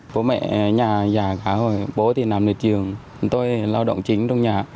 bố mẹ nhà già khá hồi bố thì nằm nơi trường tôi là lao động chính trong nhà